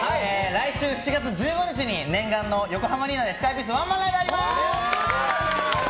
来週７月１５日に念願の横浜アリーナでスカイピースワンマンライブやります！